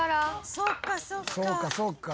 そっかそっか。